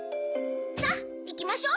さぁいきましょう！